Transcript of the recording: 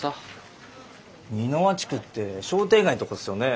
美ノ和地区って商店街のとこっすよね？